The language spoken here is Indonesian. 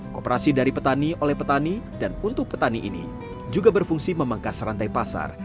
kooperasi dari petani oleh petani dan untuk petani ini juga berfungsi memangkas rantai pasar